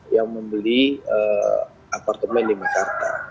yang membeli apartemen di mekarta